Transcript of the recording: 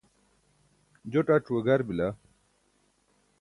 joṭ ac̣ue gar bila